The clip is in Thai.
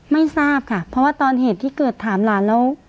ไม่ทราบค่ะเพราะว่าตอนเหตุที่เกิดถามหลานแล้ว